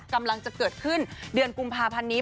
กำลังจะเกิดขึ้นเดือนกุมภาพันธ์นี้